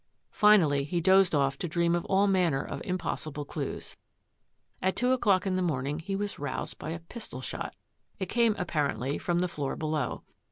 Finally he dozed off to dream of all manner of impossible clues. At two o'clock in the morning he was roused by a pistol shot. It came ap parently from the floor below.